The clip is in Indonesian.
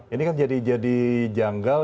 ini kan jadi janggal